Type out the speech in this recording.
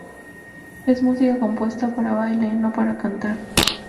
Es música compuesta para baile, no para cantar.